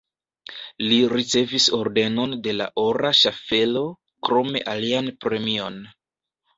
Li ricevis Ordenon de la Ora Ŝaffelo, krome alian premion.